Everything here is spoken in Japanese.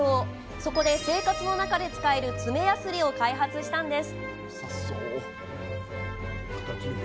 そこで、生活の中で使える爪やすりを開発したんです。